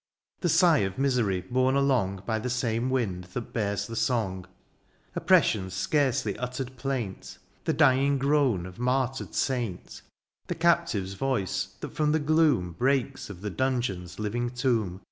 The sigh of misery borne along By the same wind that bears the song ; Oppression's scarcely uttered plaint ; The dying groan of maxtyredLnt; The captive's voice, that from the gloom Breaks of the dungeon's Uving tomb.